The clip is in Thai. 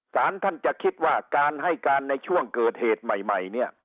สารท่านจะคิดว่าการให้การในช่วงเกิดเหตุใหม่เนี่ย